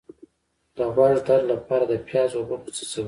د غوږ درد لپاره د پیاز اوبه وڅڅوئ